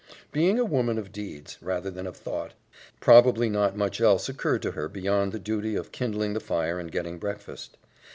Being a woman of deeds, rather than of thought, probably not much else occurred to her beyond the duty of kindling the fire and getting breakfast.